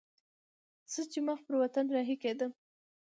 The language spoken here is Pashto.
زه چې مخ پر وطن رهي کېدم.